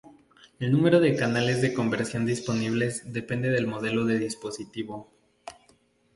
El número de canales de conversión disponibles depende del modelo de dispositivo.